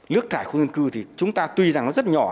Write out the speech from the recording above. lước thải khu dân cư thì chúng ta tuy rằng nó rất nhỏ